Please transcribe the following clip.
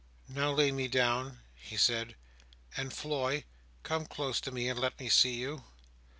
"Now lay me down," he said, "and, Floy, come close to me, and let me see you!"